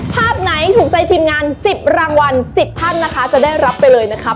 ภาพไหนถูกใจทีมงาน๑๐รางวัล๑๐ท่านนะคะจะได้รับไปเลยนะครับ